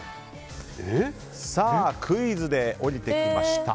さあ、クイズで降りてきました。